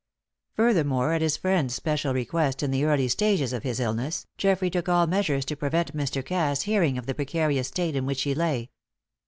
Furthermore, at his friend's special request in the early stages of his illness, Geoffrey took all measures to prevent Mr. Cass hearing of the precarious state in which he lay.